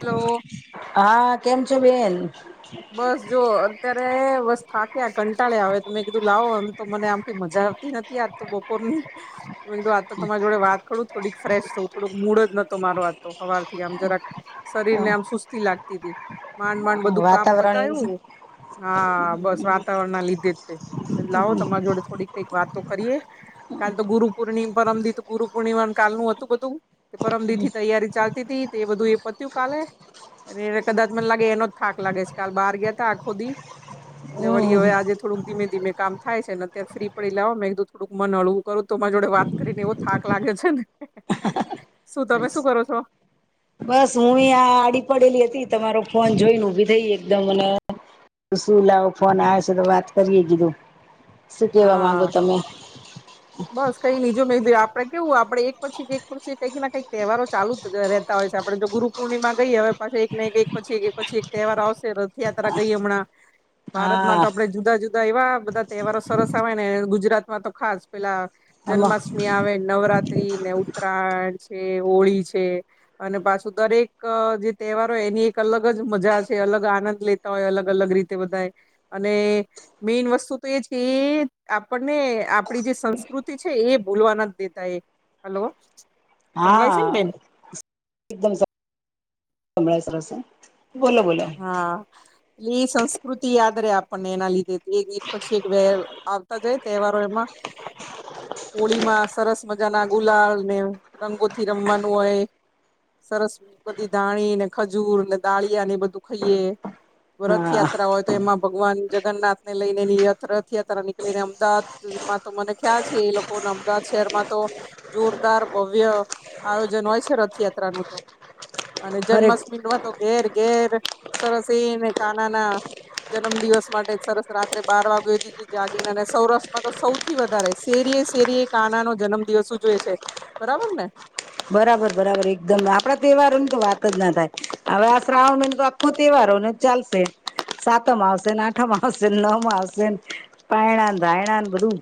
Hello. હા કેમ છો બેન. બસ જો અત્યારે બસ થાક્યા કંટાળ્યા આવે તમેં કીધું લાવો એમ તો મને આમ કઈ મજા આવતી ન આજ તો બપોર નીધ આ તો તમારી જોડે વાત કરું થોડીક ફ્રેશ થવું થોડોક મૂળ જ નહતો મારો વાતતો હવારથી આમ જરાક શરીર ને આમ તી લાગતી તી માંડ માંડ બધું વાતાવરણ એવું છે પતાવ્યું હા બસ વાતાવરણ ના લીધે જ તે બ લાવો તમા જોડે થોડીક કઈક વાતો કરીએ કાલ તો ગુરુ પૂર્ણિમા પરમથી તો ગુરુ પૂર્ણિમા કાલ નું હતું બધું પરમ દી થી તૈયારી ચાલતી હતી તે એ બધું એ પતું કાલે અને એને કદાચ મને લાગે એનો થાક લાાગ છે કલ બહાર ગયા ત આખુદી એટલે વળી હમ હવે આજે થડુંક ધીમે ધીમે કામ થાય છે ને અત્યારે ફ્રી પડી લાવો ને એકદું થોડક મન હળવું કરું તો જોડે વાત કરીને એવો થાક લાગે છે ને [inaudible] શું તમે શું કરો છો બસ હું અં આડી પડેલી હતી તમારો ફોન જોઈને ઉભી થઈ એકદમ અને શું લાવો ફોન આવે છે તો વાત કરીએ કીધું શું કેવા હા માંગો તમે બસ કઈ નીજો મે આપડે કેવું આપડે એક પછી કે એક પછી કઈક ના કંઈક તહેવારો ચાલુ ર રહેતા હોય છે આપણે તો ગુરુ પૂર્ણિમા ગઈએ હવે પાછી એક પછી એક એક પછી તહેવાર આવશેતો યાત્રા ગઈ હમણાં ભારતમાં હા તો આપડે જુદા જુદા એવા બધા તહેવારો સરસ આવે ને ગુજરાતમાં તો ખાસ પેલા એમાં જન્માષ્ટમી આવે નવરાત્રી ને ઉત્તરાયણ છે હોળી છે અને પાછું દરેક જે તહેવારો એની એક અલગ જ મજા છે અલગ આનંદ લે તા હોય અલગ અલગ રીતે બધા અને મેન વસ્તુ તો એ જ કે આપણને આપ પડી જે સંસ્કૃતિ છે એ બોલવા ના જ દેતા એ હલો સંભળાય છે ને હા બેન એકદમ સંભસ બોલો બોલો હા એટ સંસ્કૃતિ યાદ રહેે આપણને એના લીધે એક પછી એક વ આવતા જાય તહેવારો એમાં [inaudible] હોળીમાં સરસ મજા ના ગુલાલ ને રંગોથી રમવાનું હોય સરસ બધી દાણી ને ખજૂર ને દાળીયા ને બધું ખાઈએ હા રથયાત્રા હોય તો એમાં ભગવાન જગન્નાથ ને લઈનેની રથયાત્રા નીકળીને અમદા માં તો મને ખ્યાલ છે એ લોકો અમદાવાદ શહેરમાં તો જોરદાર ભવ્ય આયોજન હોય છે રથયાત્રા નું તો અને ફરે જન્માષ્ટમી નું તો ઘેર ઘેર સરસ કાનાના જન્મ દિવસ માટે સરસ રાત્રે બાર વાગ્યે થી જાગીને અને સૌરાષ્ટ્રમાં તો સૌથી વધારે શેરી શેરીએ કાના નો જન્મ દિવસ ઉજવે છે બરાબર ને બરાબર બરાબર એકદમ આપડા તહેવારો ની તો વાત જ ના થાય હવે આ શ્રાવણને તો તહેવારો ને ચાલશે સાતમ આવશેને આઠમાં આવશેને નવ માં આવશેને પાયણાને ધાયણા બધું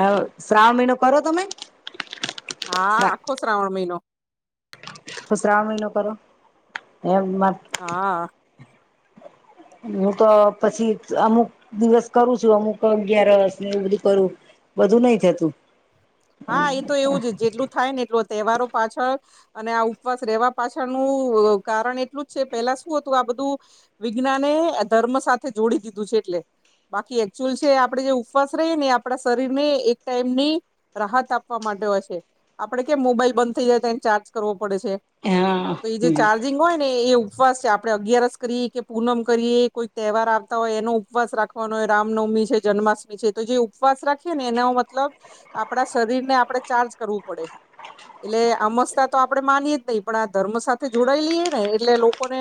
આ શ્રાવ મહિનો કરો તમે હા આખો શ્રાવણ મહિનો આખો શ્રાવણ મહિનો કરો એમ હા હું તો પછી અમુક દિવસ કરું છું અમુક અગયારસ ને એવું બધું કરું બધું નહી થતું હા એ તો એવું જ, જેટલું થાય ને એટલું આ તહેવારો પાછળ અને આ ઉપવાસ રહેવા પાછળનું અ કારણ એટલું જ છે, પેલા શું હતું આ બધું વિજ્ઞાને આ ધર્મ સાથે જોડી દીધું છે એટલે બાકી એકચુઅલ છે એ આપણે જે ઉપવાસ રહીએ ને આપણા શરીરને એક ટાઈમની રાહત આપવા માટે હોય છે, આપડે કેમ મોબાઈલ બંધ થઇ જાય તો એને ચાર્જ કરવો પડે છે. હા તો ઈ જે હમ ચાર્જ જીંગ હોય ને એ ઉપવાસ છે, આપણે અગિયારસ કરીએ કે પૂનમ કરીએ કોઈ તહેવાર આવતા હોય એનો ઉપવાસ રાખ વાનો હોય રામનવમી છે, જન્માષ્ટમી છે તો જે ઉપવાસ રાખીએ ને એનો મતલબ આપણા શરીરને આપણે ચાર્જ કરવું પડે. એટલે તો અમસ્તા તો આપણે માનીએ જ નહી, પણ આ ધર્મ સાથે જોડાયઈ લઈએને એટલે લોકોને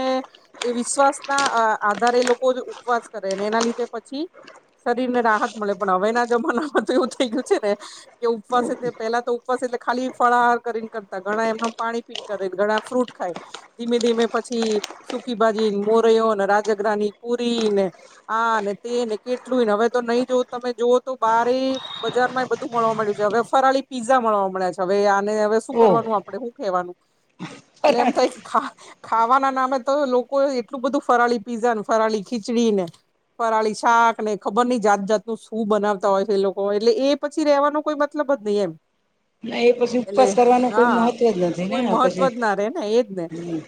એ વિશ્વાસના અ આધારે એ લોકો જ ઉપવાસ કરે ને એના લીધે પછી શરીરને રાહત મળે, પણ હવેના જમાનામાં તો એવું થઈ ગયું છે ને કે ઉપવાસ એટલે પેલા તો ઉપવાસ એટલે ખાલી ફળાહાર કરીને કરતા, ઘણા એમનેમ પાણી પી કરે ને ઘણા ફ્રૂટ ખાય. ધીમે ધીમે પછી સુકીભાજી ન, મોરૈયો ને રાજગરાની પુરીને આ ને તે ને કેટલું યે ન હવે તો નહી જોવો, તમે જોવો તો બારે બજારમાં ય બધું. મળવા મળ્યું છે હવે ફરાળી પીઝા મળવા મડ્યા છે, હવે આને હવે શું ઓહ કરવાનું આપડે શું કહેવાનું? એટલે એમ બરાબર. થાય કે ખા ખાવાના નામે તો લોકોએ એટલું બધું ફરાળી પીઝા ને ફરાળી ખીચડી ને. ફરાળી શાક ને ખબર નહી જાત જાતનું શું બનાવતા હોય છે એ લોકો, એટલે એ પછ પછી રેવાનો કોઈ મતલબ જ નહીં એમ. ના એ પછી એટલે ઉપવાસ કરવાનું કોઈ હા મહત્વ જ નથી ને કોઈ મહત્વ પછી જ ના રે ને, એ જ ને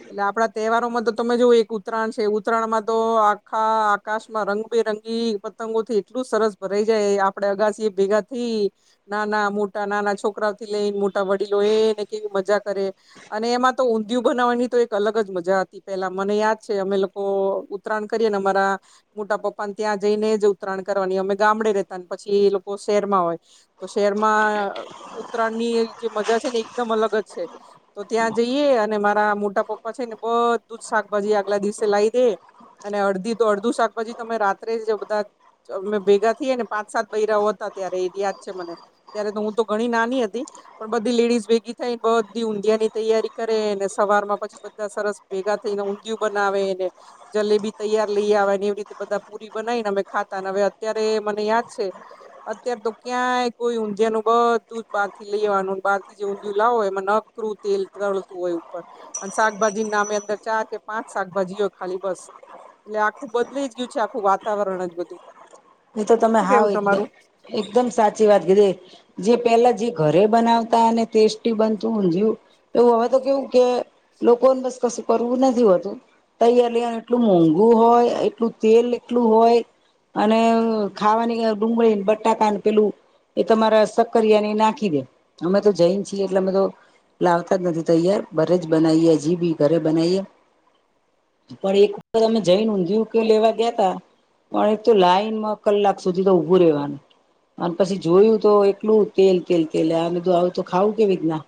એટલે આપડા તહેવારોમાં તો તમે જોઓ એક ઉત્તરાયણ છે, ઉત્તરાયણમાં તો આખા આકાશમાં રંગબેરંગી પત તંગોથી એટલું સરસ ભરાઈ જાય, આપણે અગાસીએ ભેગા થી નાના મોટા નાના છોકરાઓથી લઈને મોટા વડીલો એ ને કેવી મજા કરે. અને એમાં તો ઊંધિયું બનાવવાની તો એક અલગ જ મજા હતી, પેલા મને યાદ છે અમે લોકો ઉત તરાણ કરીએ ને અમારા મોટા પપ્પાન ત્યાં જઈને જ ઉત્તરાયણ કરવાની, અમે ગામડે રહેેતા ન પછી એ લોકો સ શહેરમાં હોય, તો શહેરમાં અ ઉત્તરાયણની જે મજા છે ને એકદમ અલગ જ છે. તો ત્યાં જઈએ અને મારા મોટા પપ્પા છે ને બધું જ શાકભાજી આગલા દિવસે લાઈ દે. અને અડધી તો અડધું શાકભાજી તો અમે રાત્રે જ બધા અમે ભેગા થઈએ ને પાંચ સાત બૈરાંઓ હત તા ત્યારે એ જ યાદ છે મને, ત્યારે હું તો ઘણી નાની હતી પણ બધી લેડીઝ ભેગી થઇને, બધી ઊંધિયાની તૈયારી કરે ને સવારમાં પછી બધા સરસ ભેગા થઈને ઊંધિયું બનાવે ને જલેબી તૈયાર લઈ આવે ને, એવી રીતે બધા પુરી બનાઈન અમે ખાતા ને હવે અત્યારે મને યાદ છે અત્યાર તો ક્યાંય કોઈ ઊંધિયાનું બધું જ બહાર થી બહારથી લઇ આવવાનું અને બારથી જે ઊંધિયું લાવો એમાં નકરું તેલ તળતું હોય ઉપર અને શાકભાજીના નામે અંદર ચાર કે પાંચ શાકભાજી હોય ખાલી બસ. એટલે આખું બદલાઈ જ ગયું છે, આખું વાતાવરણ જ બધું. એ તો તમે શું હાવ કેવું તમારું એકદમ, એકદમ સાચી વાત કીધી. જે પેલા જે ઘરે બનાવતા અને ટેસ્ટી બનતું ઊંધિયું એવું હવે તો કેવું કે લોકોને બસ કશું કરવું નથી હોતું તૈયાર લઈએને એટલું મોંઘું હોય, એટલું તેલ એટલું હોય અને અ ખાવાની અ ડુંગળી ન બટાકા ન પેલું એ તમારે સક્કરિયાને ઈ નાખી દે, અમે તો જૈન છીએ એટલે અમે તો લાવતા જ નથી તૈયાર, ઘરે જ બનાઈએ, હજી બી ઘરે બનાવીએ. પણ એક વાર અમે જૈન ઊંધિયું કે લેવા ગયા તા પણ એક તો લાઈન માં.. કલાક સુધી તો ઊભું રહેવાનું અન પછી જોયું તો એટલું તેલ તેલ તેલ આ બધું આવુ તો ખાવું કેવી રીતના?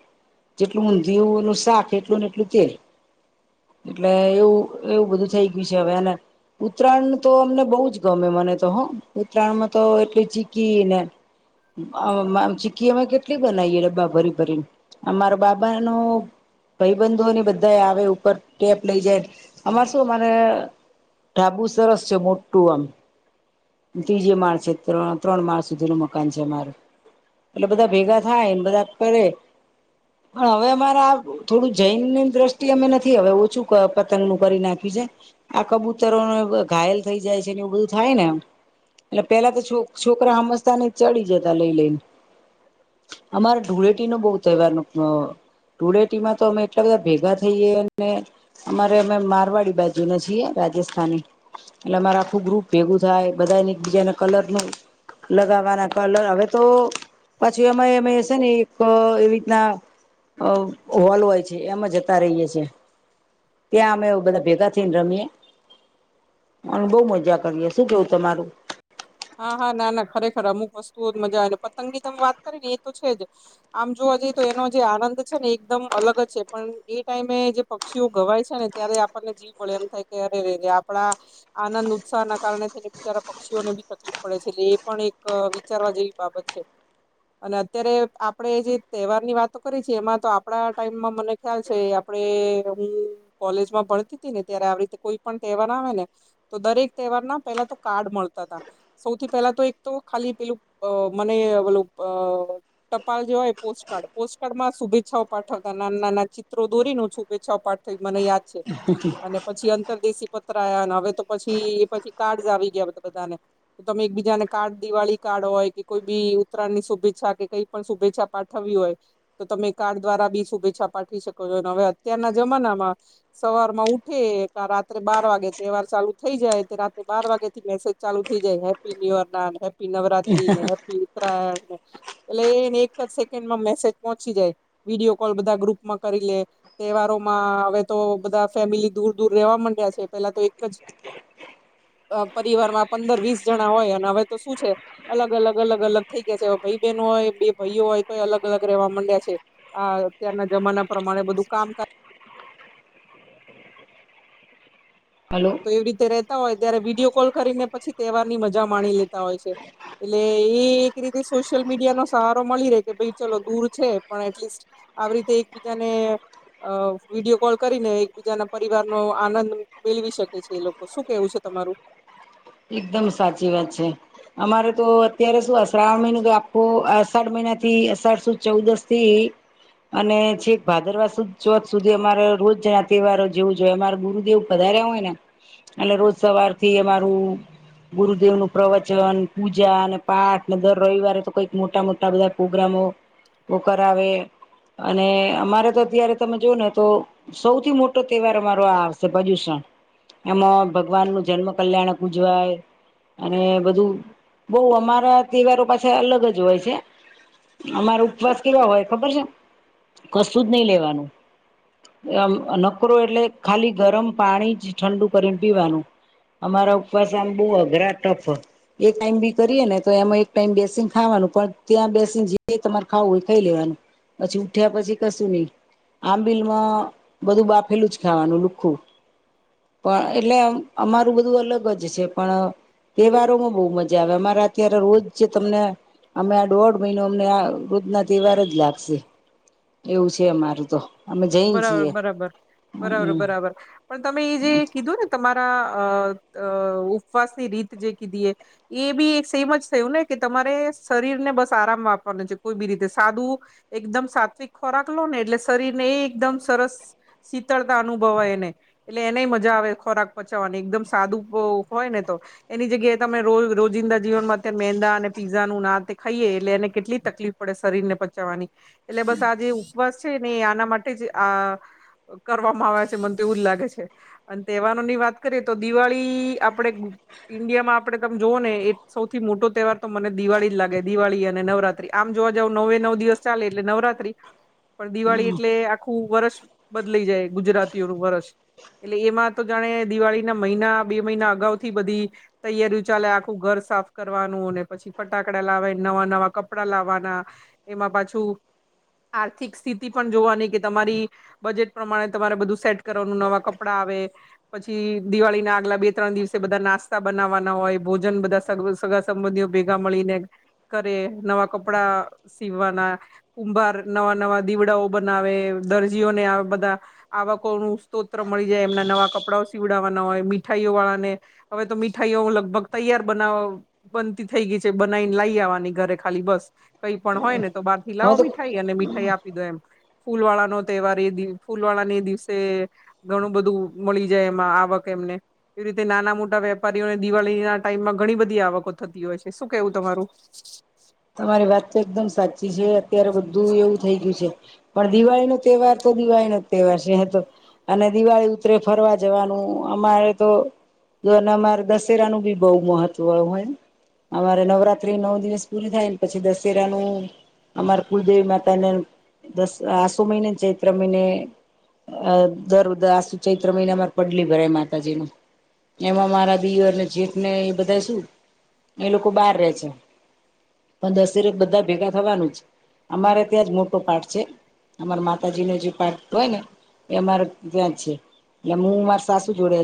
જેટલું ઊંધિયું એ સાફ એટલું ને એટલું તેલ.. એટલે એવું એવું બધું થઈ ગયું છે. હવે એને... ઉત્તરાયણ તો અમને બઉ જ ગમે મને તો હો. ઉત્તરાયણમાં તો એટલી ચીકીને અ ચીકી એમાં કેટલી.. બનાવીએ ડબ્બા ભરી ભરી અમારા બાબા નો, ભઈ બંધુઓને બધાય આવે ઉપર કેપ લઈ જાય અમાર શું અમારે.. ઢાબું સરસ છે. મોટું આમ ત્રીજે માળ છે ત ત્રણ માળ સુધી નું મકાન છે અમારું. એટલે બધા ભેગા થાય ને બધા કરે, [inaudible] પણ હવે અમારા થોડું જૈનની દ્રષ્ટિ અમે નથી હવે ઓછું ક પતંગ નું કરી નાખ્યું છે. આ કબૂતરો ન ઘાયલ થઈ જાય છે. એવું બધું થાય ને.. એટલે પેલા તો છો છોકરા હમજતા ને ચડી જતા લઈ લઈને.. અમારે ધૂળેટી નો બહુ તહેવાર નો અ, ધુળેટી માં તો અમે એટલા બધા ભેગા થઈએ ને.. અમારે અમે મારવાડી બાજુ ના છીએ રાજસ્થાની એટલે અમારે આખું ગ્રુપ ભેગું થાય, બધા ને એકબીજાના કલર નું લગાવવાના કલર હવે તો.. પાછુ એમાં એમે છે ને એક અ એ રીતના.. અ હોલ હોય છે એમાં જતા રહીએ છીએ. ત્યાં અમે બધા ભેગા થઈને રમીએે અન બહ મજા કરીએ શું કેવું? તમારું હા હા ના ના ખરેખર અમુક વસ્તુઓ જ મજા આવે ને પતંગ ની તમે વાત કરી ને એ તો છે જ આમ જોવા જઈએ તો એનો જે આનંદ છે ને એકદમ અલગ જ છે પણ એ ટાઈમે જે પ.. ક્ષીઓ ઘવાય છે ને ત્યારે આપણને જીવ બળે એમ થાય કે અરે રે આપડા.. આનંદ ઉત્સાહ ના કારણે છે ને બિચારા પક્ષીઓને.. તકલીફ પડે છે એટલે એ પણ એક અ વિચારવા જેવી બાબત છે. અને અત્યારે આપણેે જે તહેવાર ની વાતો કરીએ છીએ એમાં તો આપડા ટાઈમમાં મને, ખ્યાલ છે આપણેે હું કોલેજમાં ભણતી તી ને ત્યારે આવી રીતે કોઈ પણ તહેવાર આવે ને.. તો દરેક તહેવાર ના પેલા તો કાર્ડ મળતા તા, સૌથી પહેલા તો એક તો ખાલી પેલું મને ઓલું અ.. ટપાલ જોવાય પોસ્ટકાર્ડ પોસ્ટકાર્ડ માં શુભેચ્છાઓ પાઠવતા નાના નાના ચિત્રો દોરીને શુભેચ્છા પાઠ થઈ મને યાદ છે અને પછી અંતરદેશી.. પત્ર આયા ને હવે તો પછી એ પછી કાર્ડઝ આવી ગયા બધ બધાને. તો તમે એકબીજાને કાર્ડ દિવાળી કાર્ડ હોય કે કોઈ બી ઉત્તરાયણની શુભેચ્છા કે કઈ પણ શુભેચ્છા પાઠવવી હોય, તો તમે કાર્ડ દ્વારા બી શુભેચ્છા પાઠવી શકો છો અને હવે અત્યારના જમાનામાં... સવાર માં ઉઠે કા રાત્રે બાર વાગે તહેવાર ચાલુ થઈ જાય તે રાત્રે બાર વાગે થી મેસેજ ચાલુ થ થઈ જાય હેપી [unintelligible] હેપી નવરાત્રી ને હેપી ઉત્તરાયણને, એટલે એને એક જ સેકન્ડમાં મેસેજ પહોંચી જાય વિડીયો કોલ બધા ગ્રુપ માં કરી લે.. તહેવારોમાં હવે તો બધા ફેમિલી દૂર દૂર રેવા મડ્યા છે પેલા તો એક જ, અ પરિવારમાં પંદર વીસ જણા હોય અને હવે તો શું છે... અલગ અલગ અલગ અલગ થઈ ગયા છે હવે ભઈ બહેન હોય બે ભઈઓ હોય તો અલગ અલગ રહેવા મડ્યા છે. આ અત્યારના જમાના પ્રમાણે બધું કામ કર હલો તો એવી રીતે રેતા હોય ત્યારે વિડીયો કોલ કરીને પછી તહેવાર ની મજા માણી લેતા હોય છે એટલે એ એક રીતે સોશિયલ મીડિયા નો સહારો મળી રહે કે ભાઈ ચલો દૂર છે પણ એટલીસ્ટ આવી રીતે એકબીજાને અ વિડીયો કોલ કરીને એકબીજા ના પરિવાર નો આનંદ મેળવી શકે એ લોકો શું કેવું છે તમારું એકદમ સાચી વાત છે અમારે તો અત્યારે શું આ શ્રાવણ મહિનું જો આખો અસાઢ મહિનાથી અસાઠ સુદ ચૌદશ થી અને છેક ભાદરવા સુદ ચોથ સુધી અમારે રોજ તહેવારો જેવું જોઈએ અમારે ગુરુદેવ વધારે હોય ને એટલે રોજ સવારથી અમારું ગુરુદેવ નું પ્રવચન પૂજા અને પાઠને દર રવિવારે તો કઈક મોટા મોટા બધા પ્રોગ્રામો ઓ કરાવે અને અમારે તો અત્યારે તમે જોવ ને તો સૌથી મોટો તહેવાર અમારો આ આવશે ભજુષણ એમાં ભગવાન નું જન્મ કલ્યાણ ઉજવાઈ અને બધું બઉ અમારા તહેવારો પાછા અલગ જ હોય છે અમારે ઉપવાસ કેવા હોય ખબર છે કશું જ નઈ લેવાનું મ નકરો એટલે ખાલી ગરમ પાણી જ ઠંડુ કરીને પીવાનું અમારા ઉપવાસ આમ બુ અઘરા ટફ એક ટાઈમ બી કરીએ ને તો એમાં એક ટાઈમ બેસીને ખાવાનું પણ ત્યાં બેસીને જે તમારે ખાવું હો એ ખઈ લેવાનું પછી ઉઠ્યા પછી કશું નહી આંબિલમાં બધું બાફેલું જ ખાવાનું લુખું પણ એટલે અમારું બધું અલગ જ છે પણ તહેવારો માં બહુ મજા આવે અમારે અત્યારે રોજ જે તમને. અમે આ દોઢ મહિનો અમને આ વુધના તહેવારો જ લાગશે. એવું છે અમારું તો. અમે જૈન બરાબર છીએ બરાબર બરાબર હમ બરાબર પણ તમે એ જે કીધું ને. તમારા અ અ ઉપવાસની રીત જે રીત કીધીએ. એ બી એક સેમ જ થયું ને કે તમારે શરીર ને બસ આરામ આપપવાનું છે કોઈ બી રીતે સાદું એકદમ સાત્વિક ખોરાક લો ને એટલે શરીર ને એ એકદમ સરસ. શીતળતા અનુભવાય એને એટલે એને મજા આવે ખોરાક પચાવવાની એકદમ સાદું ભોગ હોય ને તો. એની જગ્યાએ તમે રો રોજિંદા જીવનમાં અત્યારે મેંદા અને પીઝાનું આન તે ખાઈએ એટલે એને કેટલી તકલીફ પડે શરીર ને પચાવવાની એટલે બસ આ જે ઉપવાસ છે ને આના માટે જ આ કરવામાં આવ્યા છે મને તો એવું જ લાગે છે. અને તહેવારોની વાત કરીએ તો દિવાળી આપણેે ઇન્ડિયામાં આપડે તમે જોવો ને એ સૌથી મોટો તહેવાર તો મને દિવાળી જ લાગે દિવાળી અને નવરાત્રી. આમ જોવા જાવ નવે નવ દિવસ ચાલે એટલે નવરાત્રી પણ દિવાળી એટલે આખું વરસ બદલાઈ જાય ગુજરાતીઓનું વરસ. એટલે એમાં તો જાણે દિવાળી ના મહિના બે મહિના અગાઉથી બધી. તૈયારીઓ ચાલે આખું ઘર સાફ કરવાનું અને પછી ફટાકડા લાવે ને નવા નવા કપડા લાવવાના. એમાં પાછું આર્થિક સ્થિતિ પણ જોવાની કે તમારી બજેટ પ્રમાણે તમારે બધું સેટ કરવાનું નવા કપડા આવે પછી દિવાળી ના આગલા બે ત્રણ દિવસે બધા નાસ્તા બનાવવાના હોય ભોજન બધા સગા સંબંધીઓ ભેગા મળીને કરે નવા કપડા સીવાના. કુંભાર નવા નવા દીવડાઓ બનાવે દરજીઓને આવ બધા આવકોનું સ્તોત્ર મળી જાય એમના નવા કપડાંઓ સીવડાવવાના હોય મીઠાઈઓ વાળાને હવે તો મીઠાઈઓ લગભગ તૈયાર બનાવ બનતી થઈ ગઈ છે બનાઈને લઈ આવવાની ઘરે ખાલી બસ કઈ પણ હોય ને તો બાર થી હવે લાવો તો મીઠાઈ અને મીઠાઈ આપી દો એમ ફૂલ વાળા નો તહેવાર એ દિવ ફૂલવાળની દિવસે ઘણું બધું મળી જાય એમાં આવક એમને. એવી રીતે નાના મોટા વેપારીઓને દિવાળીના ટાઈમમાં ઘણી બધી આવકો થતી હોય છે શું કેવું તમારું? [inaudible] તમારી વાત તો એકદમ સાચી છે અત્યારે બધું એવું થઈ ગ્યું છે. પણ દિવાળીનો તહેવાર તો દિવાળીનો જ તહેવાર છે એતો. અને દિવાળી ઉતરે ફરવા જવાનું અમારે તો [unintelligible] અમારે દશેરા નું બી બઉ મહત્વ હોયન અમારે નવરાત્રી નવ દિવસ પૂરી થાયને પછી દશેરાનું અમાર કુલદેવી માતાને દસ આસુ મહિને ચૈત્ર મહિને અ દર [unintelligible] આસુ ચૈત્ર મહિના માં જ પનડલી ભરાય માતાજી ની. એમ અમારા દિયરને જેઠ ને એ બધા શું એ લોકો બહાર રે છે. પણ દસેરે બધા ભેગા થવાનું જ અમારે ત્યાં જ મોટો પાઠ છે. અમાર માતાજી ને જે પાટ હોય ને એ અમારે ત્યાં જ છે [unintelligible] હું માર સાસુ જોડે